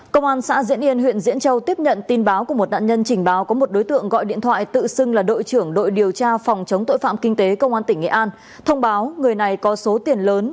công an xã diễn yên huyện diễn châu tiếp nhận tin báo của một nạn nhân trình báo có một đối tượng gọi điện thoại tự xưng là đội trưởng đội điều tra phòng chống tội phạm kinh tế công an tỉnh nghệ an